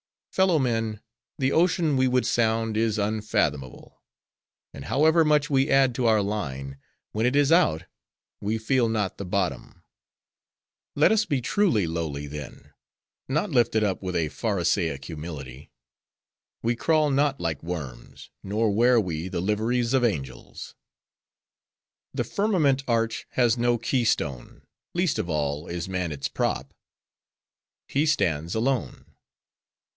Fellow men; the ocean we would sound is unfathomable; and however much we add to our line, when it is out, we feel not the bottom. Let us be truly lowly, then; not lifted up with a Pharisaic humility. We crawl not like worms; nor wear we the liveries of angels. "'The firmament arch has no key stone; least of all, is man its prop. He stands alone.